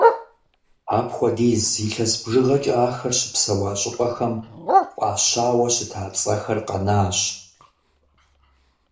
Апхуэдиз илъэс бжыгъэкӏэ ахэр щыпсэуа щӏыпӏэхэм фӏащауэ щыта цӏэхэр къэнащ.